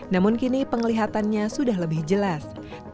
namun kini penglihatannya sudah lebih jelas